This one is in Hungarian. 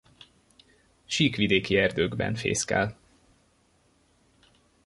Síkvidéki erdőkben fészkel.